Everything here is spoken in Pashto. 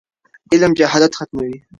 علم جهالت ختموي.